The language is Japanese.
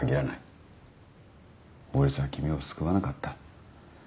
法律は君を救わなかった。